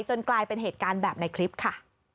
กลายเป็นเหตุการณ์แบบในคลิปค่ะ